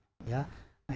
nah ini memang bagaimana